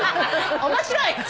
面白い！